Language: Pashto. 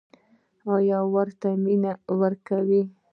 ایا ورته مینه ورکوئ؟